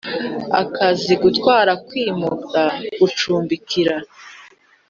Akazi gutwara kwimura gucumbikira